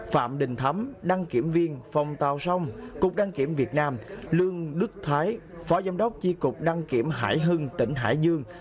phạm đình thấm đăng kiểm viên phòng tàu sông cục đăng kiểm việt nam lương đức thái phó giám đốc chi cục đăng kiểm hải hưng tỉnh hải dương